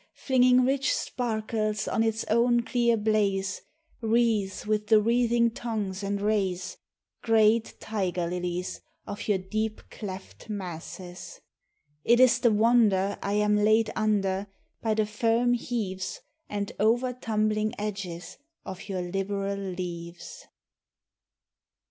Flinging rich sparkles on its own clear blaze, Wreathes with the wreathing tongues and rays, Great tiger lilies, of your deep cleft masses I It is the wonder I am laid under By the firm heaves And overtumbling edges of your liberal leaves.